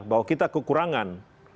bahwa kita kekurangan